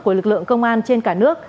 của lực lượng công an trên cả nước